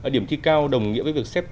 điểm thi cao đồng nghĩa với việc xếp